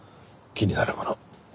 気になるもの。